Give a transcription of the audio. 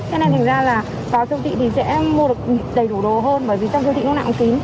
thế nên thành ra là vào siêu thị thì sẽ mua được đầy đủ đồ hơn bởi vì trong siêu thị nó nạo cũng kín